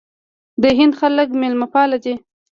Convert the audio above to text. د هند خلک میلمه پال دي.